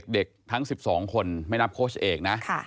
เด็กทั้ง๑๒คนไม่นับโค้ชเอกนะ